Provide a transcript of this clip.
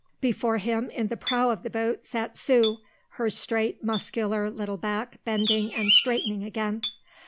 Before him in the prow of the boat sat Sue, her straight muscular little back bending and straightening again.